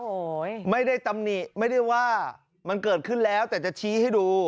โอ้โหไม่ได้ตำหนิไม่ได้ว่ามันเกิดขึ้นแล้วแต่จะชี้ให้ดู